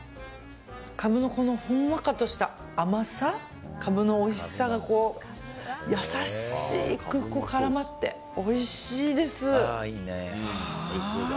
カブのほんわかとした甘さカブのおいしさが優しく絡まっておいしいです。